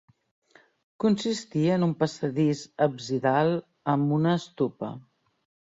Consistia en un passadís absidal amb una stupa.